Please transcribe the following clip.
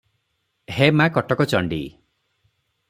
“ହେ ମା’ କଟକଚଣ୍ଡୀ!